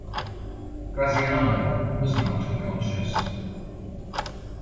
Graziano was knocked unconscious.